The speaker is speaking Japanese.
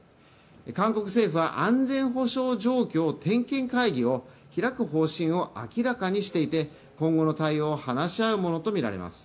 韓国政府は安全保障状況点検会議を開く方針を明らかにしていて、今後の対応を話し合うものとみられます。